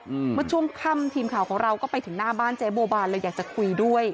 เมื่อช่วงค่ำทีมข่าวของเราก็ไปถึงหน้าบ้านเจ๊บัวบานเลยอยากจะคุยด้วย